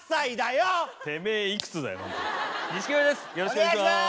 よろしくお願いします。